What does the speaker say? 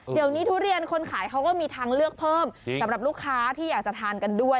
เดี๋ยวนี้ทุเรียนคนขายเขาก็มีทางเลือกเพิ่มสำหรับลูกค้าที่อยากจะทานกันด้วย